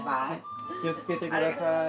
気を付けてください。